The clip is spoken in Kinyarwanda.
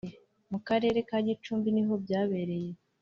mu Karere ka Gicumbi niho byabereye